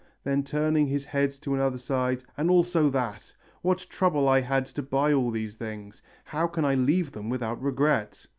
Then turning his head to another side 'and also that! What trouble I had to buy all these things. How can I leave them without regret?